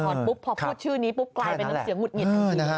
พอพูดชื่อนี้กลายเป็นเสียงหงุดหงิด